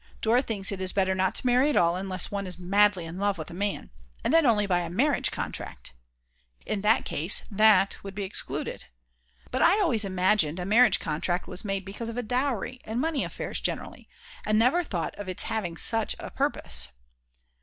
Dora thinks it is better not to marry at all, unless one is madly in love with a man. And then only by a marriage contract!! In that case that would be excluded. But I always imagined a marriage contract was made because of a dowry and money affairs generally; and never thought of its having such a purpose.